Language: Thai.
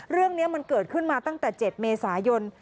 เรื่องนี้มันเกิดขึ้นมาตั้งแต่๗เมษายน